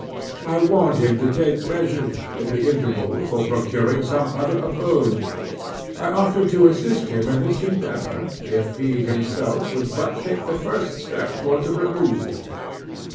I warned him to take measures, in the interval, for procuring some other abode. I offered to assist him in this endeavor, if he himself would but take the first step towards a removal.